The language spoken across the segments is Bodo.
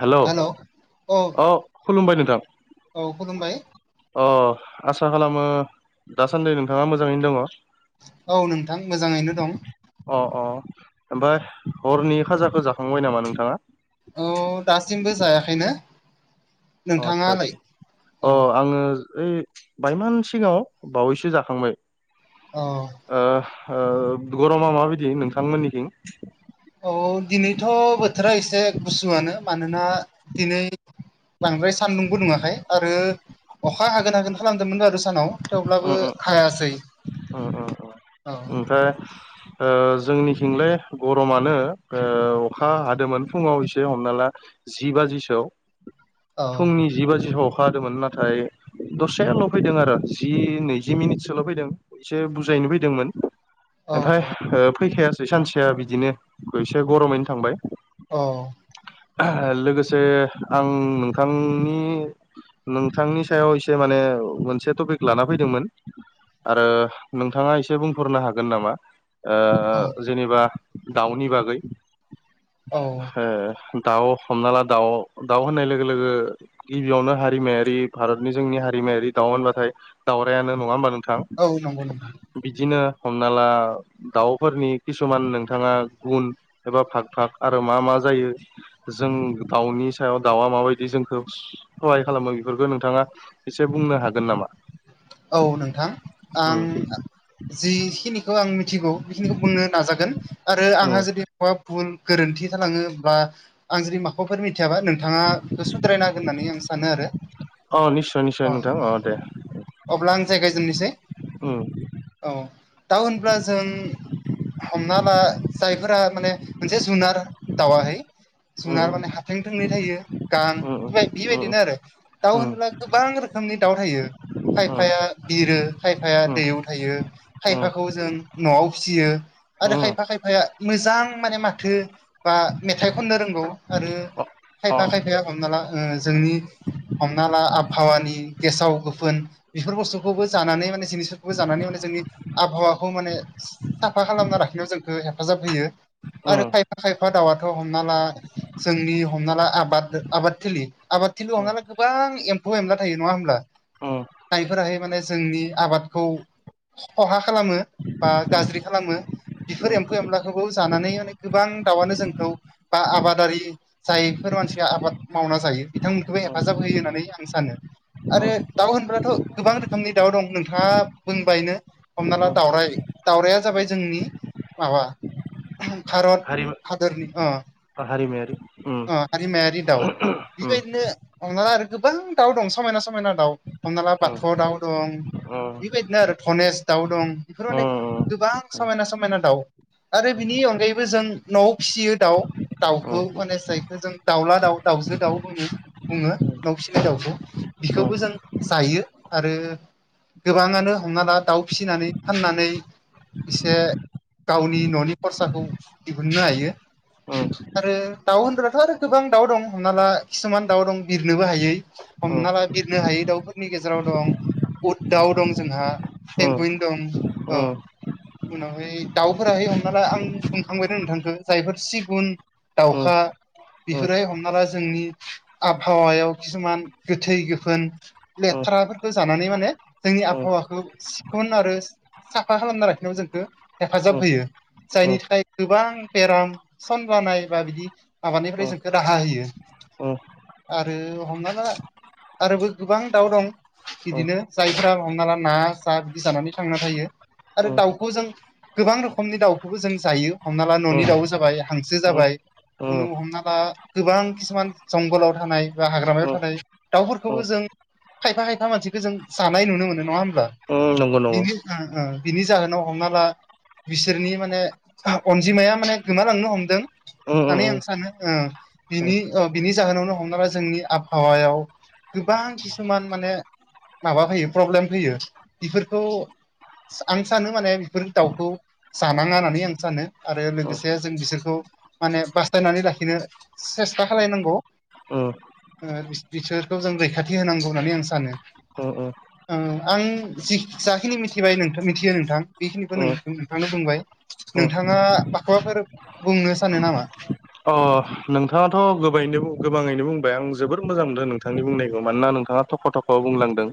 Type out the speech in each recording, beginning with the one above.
हेल' अ खुलुमबाय नोंथां। औ खुलुमबाय। अ आसा खालामो दासान्दि नोंथाङा मोजाङैनो दङ। औ नोंथां मोजाङैनो दं। अ अ ओमफफ्राय हरनि खाजाखौ जाखांबाय नामा नोंथाङा? औ दासिमबो जायाखैनो। अ आतसा नोंथाङालाय औ आसा अ आङो ओइ बायमान सिगाङाव बावैसो जाखांबाय औ गरमा माबायदि नोंथांमोननिथिं औ दिनैथ' बोथोरा एसे गुसुआनो मानोना दिनै लांद्राय सानदुंबो नुङाखै आरो अखा हागोन हागोन खालामदोंमोनल आरो सानाव उम थेवब्लाबो हायासै उम औ उम ओमफ्राय जोंनिथिंलाय गरमानो औ अखा हादोंमोन फुङाव एसे हमना ला जि बाजिसोआव औ फुंनि जि बाजिसआव अखाादोंमोन नाथाय दसेल' फैदों आरो जि नैजि मिनिटसोल' फैदों एसे बुजायनो फैदोंमोन औ ओमफ्राय फैखास सानसेया बिदिनोसे गरमैनो थांबाय अ लोगोसे आं नोंथांनि नोंथांनि सायाव एसे माने मोनसे टपिक लाना फैदोंमोन आरो नोंथाङा एसे बुंफोरनो हागोन नामा जेनेबा दाउनि बागै औ दाउ हमना ला दाउ दाउ होननाय लोगो लोगो गिबियावनो हारिमायारि भारतनि जोंनि हारिमायारि दाउ होनबाथाय दावउरायायानो नङा होमबा नोंथां औ नंगौ नोंथां बिदिनो हमना ला दाउफोरनि किसुमान नोंथाङा गुन एबा फाग फाग आरो मा मा जायो जों दाउनि सायाव दाउआ माबायदि जोंखौ सहाय खालामो बेफोरखौ नोंथाङा एसे बुंनो हागोन नामा औ नोंथां उम आं जिखिनि खौ आं मिथिगौ बेखिनिखौ बुंनो नाजागोन आरो उम आंहा जुदि मा फुल गोरोन्थि थालाङोब्ला आं जुदि माफोर मिथियाबा नों नोंथाङा बेखौ सुद्रायन हांगोन होननानै आं सानो आरो अ निस्सय निस्सय औ नोंथां अ औ दे अब्ला आं जायगायजेननोसै उम औ दा होनब्ला जों हमना ला जायफोरा माने मोनसे जुनार दावाहै उम जुनार माने हाथं थोंनै थायो गां उम उम बेबाय उम बेबायदिनो आरो दाउ उम होनोब्ला गोबां रोखोमनि दाउ थायो खायफाया बिरो खायफाया उम दैयाव थायो उम खायफाखौ जों न'आव फिसियो आरो उम खायफा खायफाया मोजां माने माथो बा मेथाइ खननो रोंगौ आरो अ अ खायफा खायफाया हमना ला जोंनि हमना ला आबहावानि गेसाव गोफोन बेफोर बुस्थुखौबो जानानै माने जिनिसफोरखौबो जानानै माने जोंनि आबहावाखौ माने साफा खालामना लाखिनायाव जोंखौ हेफाजाब होयो उम आरो खायफा खायफा दाउआथ' हमना ला जोंनि हमना ला आबाद आबाद थिलि आबाद थिलि उम हमना ला गोबां एम्फौ एनला थायो नङा होमब्ला ओम। जायफोराहाय माने जोंनि आबादखौ खहा खालामो बा गाज्रि खालामो। बेफोर एम्फौ-एनलाखौबो जानानै माने गोबां दाउआनो जोंखौ बा आबादारि। जायफोर मानसिया आबाद मावना जायो बिथांमोनखौबो हेफाजाब होयो होननानै आं सानो। आरो दाउ होनब्लाथ' गोबां रोखोमनि दाउ दं नोंथाङा बुंबायनो। हमना ला दाउराय दावरायया जाबाय जोंनि माबा। भारत हादरनि अ। हारिमायारि ओम। हारिमायारि दाउ बेबायदिनो हमनाला आरो गोबां दाउ दं समायना समायना दाउ हमना ला। अ बाथ' दाउ दं। अ बेबायदिनो आरो धनेस दाउ दं बेफोर अ माने अ गोबां समायना समायना दाउ। आरो बिनि अनगायैबो जों न'आव फिसियो दाउ। अ दाउखौ माने जायखौ जों दाउला दाउ दाउजो दाउ बुङो बुङो न'आव फिसिनाय दाउखौ। बिखौबो जों जायो। आरो गोबाङानो हमनाला दाउ फिसिनानै फाननानै इसे गावनि न'नि खरसाखौ दिहुननो हायो। अ आरो दाउ होनग्राथ' आरो गोबां दाउ दं हमना ला किसुमान दाउ दं बिरनोबो हायै। हमना ला बिरनो हायो दाउफोरनि गेज जेराव दं, उद दाउ दं जोंहा पेंगुइन दं औ। उनावहाय दाउफोराहाय हमना ला आं फुंखांबायदे नोंथांखौ जायफोर सिगुन अ दावखा। अ बिफोरो हमना ला जोंनि आबहावायाव खिसुमान गोथै गोफोन अ फाराफोरखौ जानानै माने जोंनि आबहावाखौ सिखन आरो साफा खालामना लाखिनायाव जोंखौ हेफाजाब होयो जायनि थाखाय गोबां बेराम सान बानायबा बिदि माबानिफ्राय जोंखौ राहा होयो। आरो हमना ला आरोबो गोबां दाउ दं। बिदिनो जायफ्रा हमना ला ना जा बिदि जानानै थांना थायो आरो दाउखौ जों गोबां रोखोमनि दाउखौबो जों जायो हमना ला न'नि दाउबो जाबाय, हांसो जाबाय। खुनु हमना ला गोबां खिसुमान जंगलाव थानाय बा हाग्रामायाव थानाय दाउफोरखौबो जों खायफा खायफा मानसिखौ जों जानाय नुनो मोनो नङा ओमबा? औ नंगौ नंगौ। ओं ओ बिनि जाहोनाव हमना ला बिसोरनि माने अनजिमाया माने गोमालांनो हमदों। उम, उम, होननानै आं सानो ओ उम, बिनि ओ बिनि जाहोनावनो हमना जोंनि आबहावायाव गोबां किसुमान माने माबा फैयो प्रब्लेम फैयो बिफोरखौ आं सानो माने बेफोर दाउखौ जानाङा होननानै आं सानो आरो लोगोसे जों बिसोरखौ माने बास्तायनानै लाखिनो सेस्था खालायनांगौ। उम, उम, ओ बिस बिसोरखौ जों रैखाथि होनांगौ होननानै आं सानो। [unintelligible] ओं आं जि जाखिनि मिथिबाय नोंथां मिथियो नोंथां बेखिनिखौ नोंथांनो बुंबाय। उम. नोंथाङा माखौबाफोर बुंनो सानो नामा? अ नोंथाङाथ' गोबायैनो बु गोबाङैनो बुंबाय आं जोबोर मोजां मोनदों नोंथांनि बुंनायखौ मानोना नोंथाङा थफ' थफ औ बुंलांदों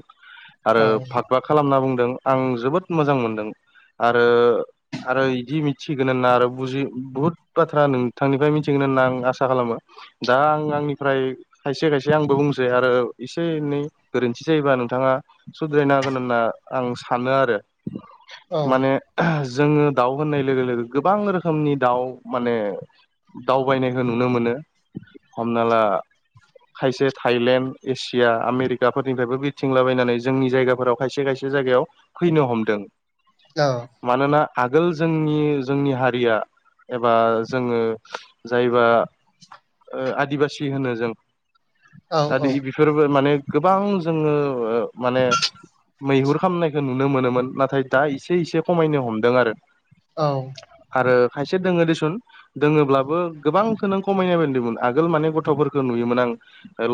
आरो औ फागबा खालामना बुंदों आं जोबोद मोजां मोनदों। आरो आरो इदि मिथिगोन होनना आरो बुजि बुहुत बाथ्रा नोंथांनिफ्राय मिथ थिगोन होनना आं आसा खालामो दा आं आंनिफ्राय खायसे खायसे आंबो बुंसै आरो एसे एनै गोरोन्थि जायोबा नोंथाङा सुद्रायना हांगोन होनना आं सानो आरो औ माने जोङो दाउ होननाय लोगो लोगो गोबां रोखोमनि दाउ माने दावबायनायखौ नुनो मोनो हमना ला खायसे थाइलेण्ड एसिया आमेरिकाफोरनिफ्रायबो बिथिंलाबायनानै जोंनि जायगाफोराव खायसे खायसे जायगायाव फैनो हमदों। औ मानोना आगोल जोंनि जोंनि हारिया एबा जोङो जायबा आदिबासि होनो जों औ आदि बि फोरबो माने गोबां जोङो ओ माने मैहुर खामनायखौ नुनो मोनोमोन नाथाय दा इसे इसे खमायनो हमदों आरो। औ आरो खायसे दोङो देसुन दोङोब्लाबो गोबांखौो नों खमायनाय बायदोंमोन आगोल माने गथ'फोरखौ नुयोमोन आं,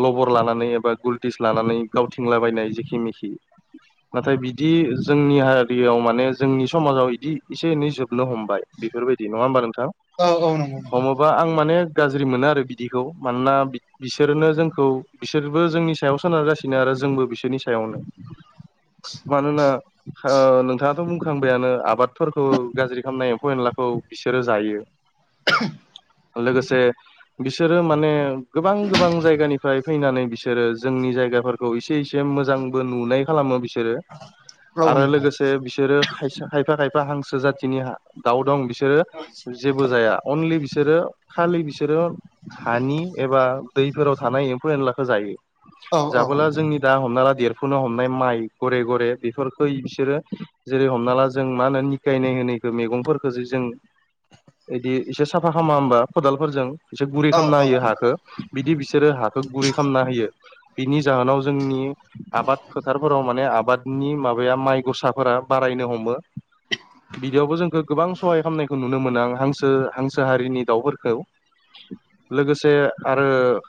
लबर लानानै एबा गलटिस लानानै गावथिंलाबायनाय जेखि मिखि नाथाय बिदि जोंनि हारियाव माने जोंनि समाजाव बिदि एसे एनै जोबनो हमबाय। बेफोरबायदि नङा होमबा नोंथां? औ औ नंगौ। नंगौ हमोबा आं माने गाज्रि मोनो आरो बिदिखौ मानोना बिसोरनो जोंखौ बिसोरबो जोंनि सायाव सोनारगासिनो आरो जोंबो बिसोरनि सायावनो। मानोना नोंथाङाथ' फोखांबायानो आबादफोरखौ गाज्रि खालामनाय एम्फौ एनलाखौ बिसोरो जायो। [unintelligible] लोगोसे बिसोरो माने गोबां गोबां जायगानिफ्राय फैनानै बिसो बिसोरो जोंनि जायगाफोरखौ इसे इसे मोजांबो नुनाय खालामो बिसोरो औ आरो नोंथां लोगोसे बिसोरो खायफा खायफा हांसो जाथिनि दाउ दं बिसोरो जेबो जाया। अनलि बिसोरो खालि बिसोरो हानि एबा दैफोराव थानाय एम्फौ एनलाखौ जायो औ औ जाबोला जोंनि, दा हमना ला देरफुनो हमनाय माइ गघरे गघरे बेफोरखो बिसोरो जेरै हमना ला जों मा होनो निखायनाय होनो मैगंफोरखोसो जों इ इसोर साफा खालामा होमबा खदालफोरजों एसे गुरै औ खालामना होयो हाखो बिदि बिसोरो हाखौ गुरै खालामना होयो। बिनि जाहोनाव जोंनि आबाद फोथारफोराव माने आबाद- - नि माबाया माइ गसाफोरा बारायनो हमो। बिदियावबो जोंखौ गोबां सहाय खालामनायखौ नुनो मोन आं हांस हासो हांसो हारिनि दाउफोरखौ लोगोसे आरो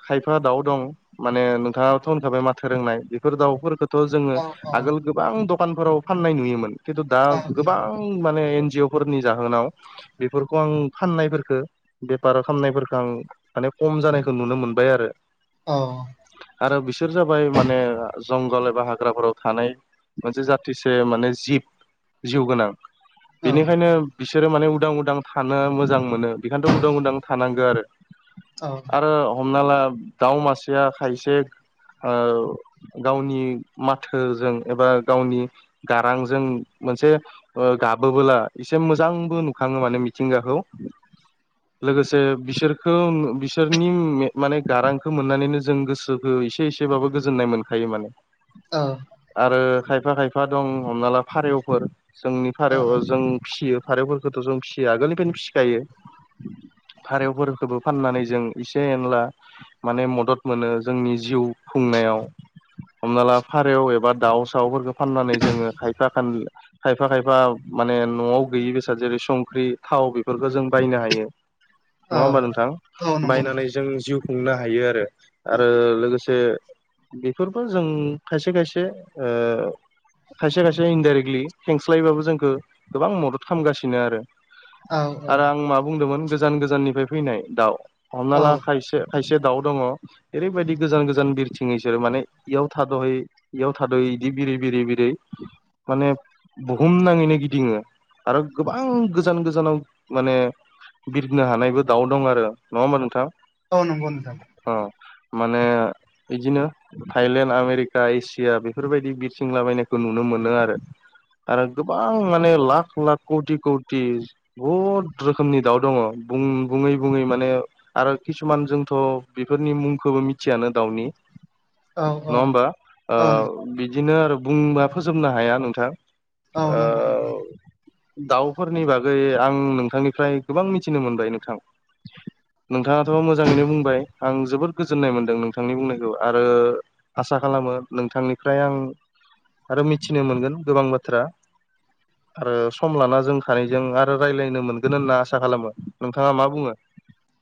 खायफा दाउ दं माने नोंथाङाथ' होनखाबाय माथो रोंनाय बेफोर दाउफोरखो थ' जोङो औ आगोल गोबां दखानफोराव फाननाय नुयोमोन खिन्थु दा औ गोबां गोबां माने एन जिअ फोरनि जाहोनाव बेफोर खौ आं फाननायफोरखो बेफार खालामनायफोरखो आं माने खम जानायखौ नुनो मोनबाय आरो। औ आरो बिसोर जाबाय माने जंगल एबा हाग्राफोराव थानाय मोनसे जाथिसे माने जिब जिउ गोनां। बेनिखायनो बिसोरो माने उदां उदां थानो मोजां मोनो बेखायनोथ' उदां उदां थानांगौ आरो। औ। ओ हमना ला दाउ मासेया खायसे ओ गावनि माथोजों एबा गावनि गारांजों मोनसे गाबोबोला एसे मोजांबो नुखाङो माने मिथिंगाखौ लोगोसे बिसोरखौ बिसोरनि माने गारांखौ मोननानैनो जों गोसो ओ एसे एसेबाबो गोजोननाय मोनखायो माने औ आरो खायफा-खायफा दं हमना ला फारेवफोर जोंनि फारेव ओ औ जों फिसियो। फारेवफोरफोरखौथ' जों फिसियो आगोलनिफायनो फिखायो। फारेवफोरखौबो फाननानै जों एसे एनला। माने मदद मोनो जोंनि जिउ खुंनायाव। हमना ला फारेव एबा दाउ साउफोरखौ फाननानै जोङो खायफा खान। खायफा-खायफा माने न'आव गैयि बेसाद जेरै सं। ख्रि थाव बेफोरखौ जों बायनो हायो नङा होनबा नोंथां नंगौ नोंथां बायनानै जों जिउ। खुंनो हायो आरो, आरो लोगोसे। बेफोरबो जों खायसे-खायसे ओ। खायसे-खायसे इनडाइरेक्टलि खेंस्लायैबाबो जोंखौ गोबां मदद खालामगासिनो आरो। आरो आं मा बुंदोंमोन गोजान गोजाननिफाय फैनाय दाउ औ हमना ला खायसे-खायसे दाउ दङ। ओरैबायदि गोजान-गोजान बिरथिङो इसोरो माने इयाव थाद'है। इयाव थाद'यै इदि बिरै-बिरै-बिरै। माने बुहुम नाङैनो गिदिङो आरो गोबां गोज जान गोजानाव माने बिरनो हानायबो दाउ दं आरो नङा होमबा नोंथां। औ नंगौ नोंथां। अ माने इदिनो थाइलेण्ड आमेरिका एसिया बेफोरबायदि बिरथिंलाबायनायखौ नुनो मोनो आरो। आरो गोबां माने लाख-लाख कौटि कौ टि बुहुद रोखोमनि दाउ दङ बुं बुङै बुङै माने आरो किसुमान जोंथ' बेफोरनि मुंखौबो मिथियानो दाउनि। औ नङा होमबा ओ औ बिदिनो आरो बुंबा फोजोबनो हाया नोंथां औ ओ नंगौ दाउफोरनि बागै आं नोंथांनिफ्राय गोबां मिथिनो मोनबाय नोंथां। नोंथाङाथ' मोजाङैनो बुंबाय आं जोबोद गोजोननाय मोनदों नोंथांनि बुंनायखौ आरो। आसा खालामो नोंथांनिफ्राय आं आरो मिथिनो मोनगोन गोबां बाथ्रा आरो सम लाना जों सानैजों आरो रायलायनो मोनगोन होनना आसा खालामो नोंथाङा मा बुङो।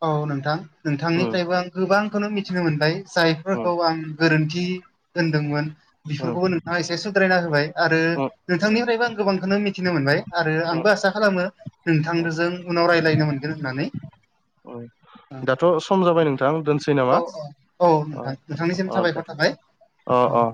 औ नोंथां उम नोंथांनिफ्रायबो आं गोबांखौनो मिथिनो मोनबाय उम जायफोरखौ आं। गोरोन्थि होन्दोंमोन उम बेफोरखौबो नोंथाङा एसे सुद्रायना होबाय। आरो उम उम नोंथांनिफ्रायबो आं गोबांखौनो मिथिनो मोनबाय आरो उम आंबो आसा खालामो। उम नोंथांजों उनाव रायलायनो मोनगोन होननानै। औ दाथ' सम जाबाय नोंथां दोनसै नामा। औ औ नोंथां नोंथांनिसिम साबायखर थाखाय। अ-अ